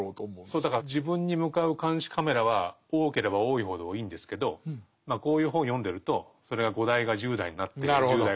そうだから自分に向かう「監視カメラ」は多ければ多いほどいいんですけどこういう本を読んでるとそれが５台が１０台になってなるほど。